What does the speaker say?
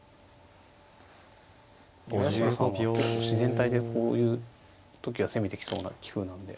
八代さんは自然体でこういう時は攻めてきそうな棋風なんで。